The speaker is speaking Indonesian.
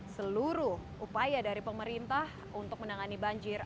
seluruh upaya dari pemerintah untuk menangani banjir